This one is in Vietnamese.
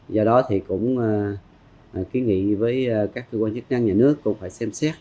do đó thì cũng kiến nghị với các cơ quan chức năng nhà nước cũng phải xem xét